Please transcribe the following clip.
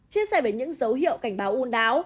chia sẻ với những dấu hiệu cảnh báo u não